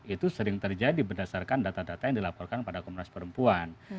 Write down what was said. itu sering terjadi berdasarkan data data yang dilaporkan pada komnas perempuan